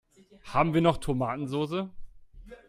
Haben wir noch Tomatensoße?